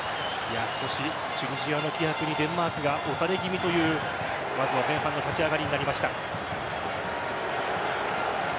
少しチュニジアの気迫にデンマークが押され気味という前半の立ち上がりになりました。